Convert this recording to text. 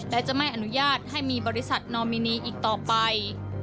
และจะไม่อนุญาตให้มีบริษัทนอมินีอีกต่อไป